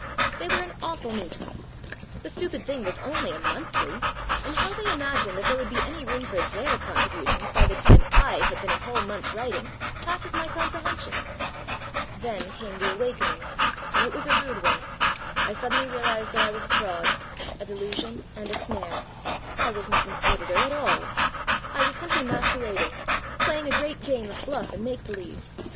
They were an awful nuisance. The stupid thing was only a monthly, and how they imagined that there would be any room for their contributions, by the time I had been a whole month writing, passes my comprehension. Then came the awakening, and it was a rude one. I suddenly realized that I was a fraud, a delusion, and a snare. I was not an editor at all. I was simply masquerading, playing a great game of bluff and make believe.